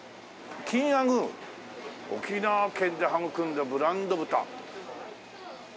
「金アグー」「沖縄県で育んだブランド豚」